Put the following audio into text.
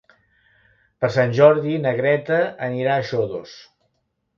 Per Sant Jordi na Greta anirà a Xodos.